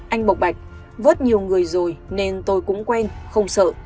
anh bộc bạch vớt nhiều người rồi nên tôi cũng quen không sợ